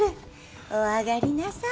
お上がりなさい。